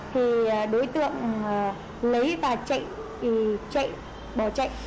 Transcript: thì đối tượng lấy và chạy chạy bỏ chạy